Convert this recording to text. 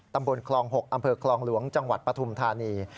ตำบลคลอง๖อำเภอคลองหลวงจังหวัดปฐุมธานี